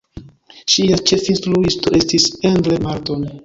Ŝia ĉefinstruisto estis Endre Marton.